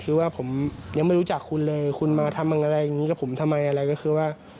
คือว่าผมยังไม่รู้จักคุณเลยคุณมาทำอะไรอย่างนี้กับผมทำไมอะไรก็คือว่า